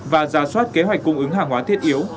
và ra soát kế hoạch cung ứng hàng hóa thiết yếu